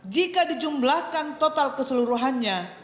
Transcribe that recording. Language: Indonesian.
jika dijumlahkan total keseluruhannya